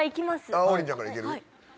ああ王林ちゃんからいける？